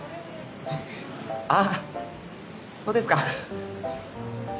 あそうですか。